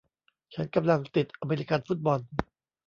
ฉันกำลังติดอเมริกันฟุตบอล